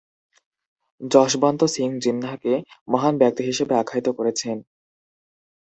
যশবন্ত সিং জিন্নাহকে "মহান ব্যক্তি" হিসেবে আখ্যায়িত করেছেন।